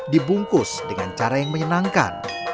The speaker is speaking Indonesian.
dibungkus dengan cara yang menyenangkan